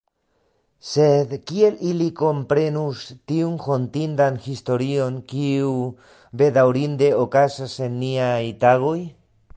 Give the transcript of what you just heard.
Sed kiel ili komprenus tiun hontindan historion, kiu bedaŭrinde okazas en niaj tagoj?